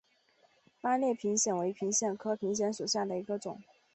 八列平藓为平藓科平藓属下的一个种。